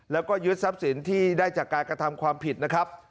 แล้วก็ยึดทรัพย์สินที่ได้จากการกระทำความผิดนะครับ